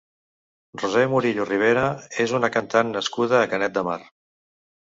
Roser Murillo Ribera és una cantant nascuda a Canet de Mar.